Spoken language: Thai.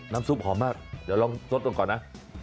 น้ำซุปหอมมากเดี๋ยวลองสดก่อนนะ